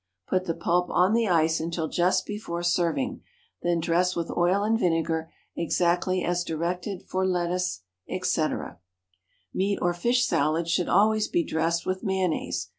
Put the pulp on the ice until just before serving; then dress with oil and vinegar exactly as directed for lettuce, etc. Meat or fish salads should always be dressed with mayonnaise.